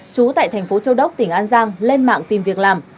trú tại thành phố châu đốc tỉnh an giang lên mạng tìm việc làm